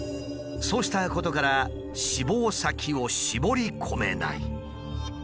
そうしたことから志望先を絞り込めない。